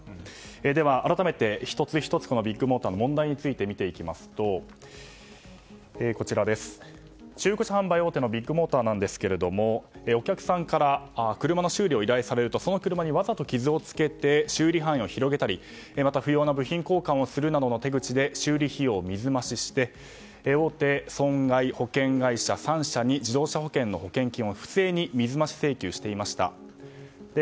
では、改めて１つ１つビッグモーターの問題について見ていきますと中古車販売大手のビッグモーターなんですがお客さんから車の修理を依頼されるとその車にわざと傷をつけて修理範囲を広げたりまた、不要な部品交換をするなどの手口で修理費用を水増しして大手損害保険会社３社に自動車保険の保険金を不正に水増し請求していました。